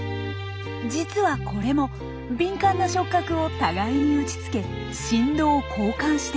実はこれも敏感な触角を互いに打ちつけ振動を交換しているんです。